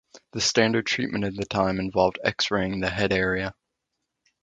The standard treatment at the time involved X-raying the head area.